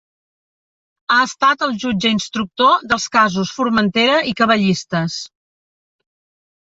Ha estat el jutge instructor dels casos Formentera i Cavallistes.